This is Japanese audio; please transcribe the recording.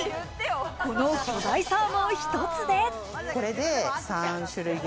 この巨大サーモン一つで。